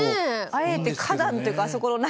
あえて花壇っていうかあそこの中。